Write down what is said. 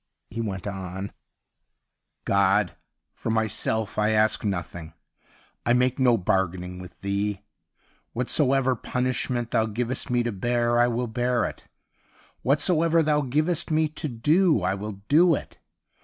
He went on :' God, for myself I ask nothing ; I make no bargaining with Thee. Whatsoever punishment Thou givest me to bear I will bear it ; whatso ever Thou givest me to do I will do it.